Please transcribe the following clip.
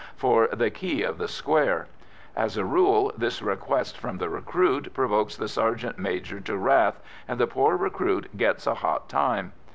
for "the key of the square." As a rule, this request from the recruit provokes the sergeant major to wrath, and the poor recruit gets a hot time.